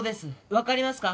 分かりますか？